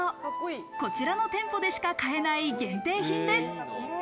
こちらの店舗でしか買えない限定品です。